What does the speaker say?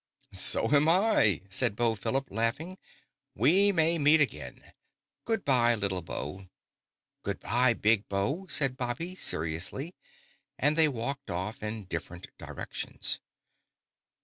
"So am I," said Beau Philip, laughing. "We may meet again. Good by, little Beau!" "Good by, big Beau!" said Bobby, seriously, and they walked off in different directions.